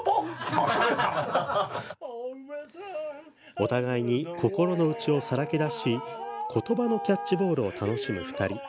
お互いに心の内をさらけ出し言葉のキャッチボールを楽しむ２人。